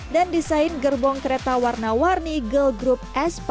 dan desain gerbong kereta warna warni girl group aespa